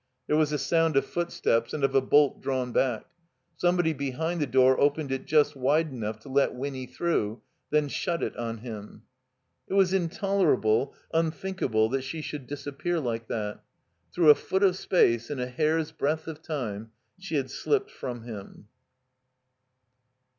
There was a sound of footsteps and of a bolt drawn back. Somebody behind the door opened it just wide enough to let Winny through, then shut it on him. It was intolerable, unthinkable, that she should disappear like that. Through a foot of space, in a hair's breadth of time, she had slipped from him.